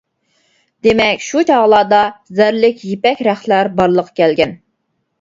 دېمەك، شۇ چاغلاردا زەرلىك يىپەك رەختلەر بارلىققا كەلگەن.